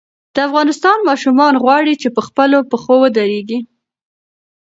د افغانستان ماشومان غواړي چې په خپلو پښو ودرېږي.